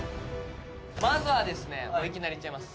まずはですねもういきなりいっちゃいます。